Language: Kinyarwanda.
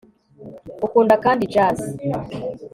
ukunda kandi jazz